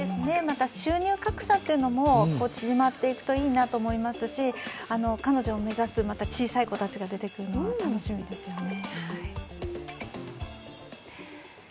収入格差も縮まっていくといいなと思いますし、彼女を目指す小さい子たちが出てくるのは楽しみですよね。